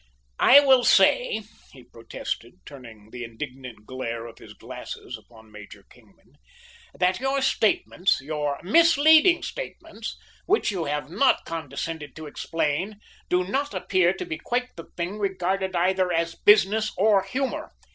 "I will say," he protested, turning the indignant glare of his glasses upon Major Kingman, "that your statements your misleading statements, which you have not condescended to explain do not appear to be quite the thing, regarded either as business or humour.